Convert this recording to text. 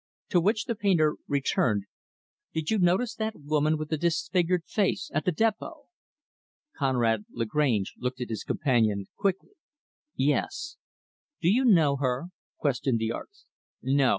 To which the painter returned, "Did you notice that woman with the disfigured face, at the depot?" Conrad Lagrange looked at his companion, quickly. "Yes." "Do you know her?" questioned the artist. "No.